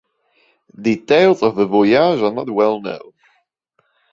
Details of the voyage are not well known.